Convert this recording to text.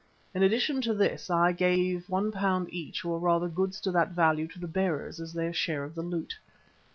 In addition to this I gave £1 each, or rather goods to that value, to the bearers as their share of the loot.